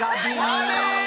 あれ！